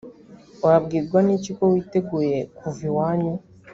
wabwirwa n iki ko witeguye kuva iwanyu